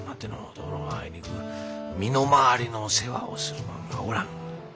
ところがあいにく身の回りの世話をする者がおらん。